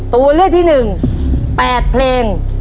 ตัวเลือดที่หนึ่ง๘เพลง